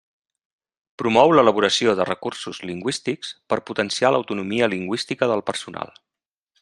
Promou l'elaboració de recursos lingüístics per potenciar l'autonomia lingüística del personal.